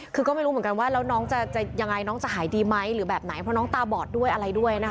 คือก็ไม่รู้เหมือนกันว่าแล้วน้องจะยังไงน้องจะหายดีไหมหรือแบบไหนเพราะน้องตาบอดด้วยอะไรด้วยนะคะ